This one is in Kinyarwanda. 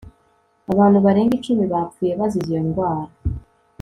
abantu barenga icumi bapfuye bazize iyo ndwara